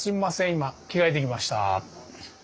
今着替えてきました。